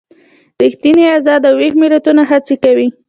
ریښتیني ازاد او ویښ ملتونه هڅې کوي.